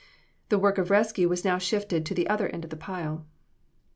The work of rescue was now shifted to the other end of the pile.